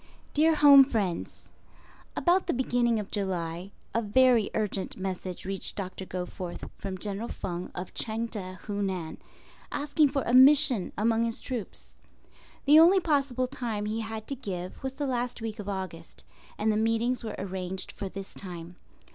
Dear Home Friends: About the beginning of July, a very urgent message reached Doctor Goforth from General Feng of Chang teh, Hunan, asking for a "mission" among his troops. The only possible time he had to give was the last week of August, and the meetings were arranged for this time.